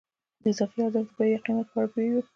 د اضافي ارزښت د بیې یا قیمت په اړه پوهېږو